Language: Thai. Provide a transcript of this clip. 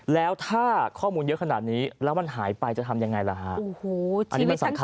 แล้วถ้าข้อมูลเยอะขนาดนี้แล้วมันหายไปจะทำยังไงล่ะฮะ